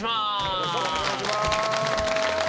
よろしくお願いします。